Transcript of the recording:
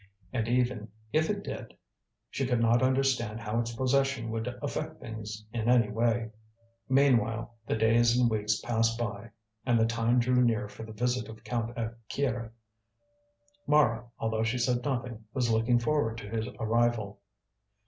And even if it did, she could not understand how its possession would affect things in any way. Meanwhile the days and weeks passed by and the time drew near for the visit of Count Akira. Mara, although she said nothing, was looking forward to his arrival.